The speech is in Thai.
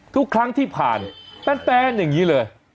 ทุกครั้งที่ผ่านแป้นอย่างนี้เลย